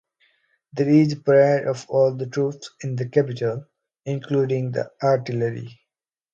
There is a parade of all the troops in the capital, including the artillery.